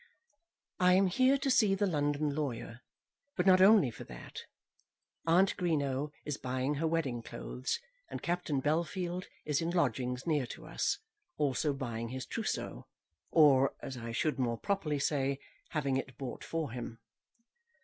"I am here to see the London lawyer, but not only for that. Aunt Greenow is buying her wedding clothes, and Captain Bellfield is in lodgings near to us, also buying his trousseau; or, as I should more properly say, having it bought for him.